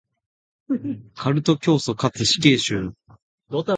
カルト教祖かつ死刑囚だった。